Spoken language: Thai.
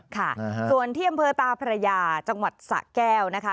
ค่ะส่วนที่อำเภอตาพระยาจังหวัดสะแก้วนะคะ